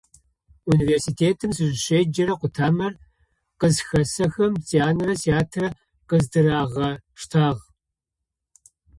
Университетым сызщеджэрэ къутамэр къызхэсэхым, сянэрэ сятэрэ къыздырагъэштагъ.